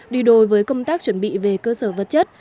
đi đôi với công tác chuẩn bị về cơ sở vật chất